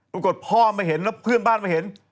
พ่อมาเห็นแล้วเพื่อนบ้านมาเห็น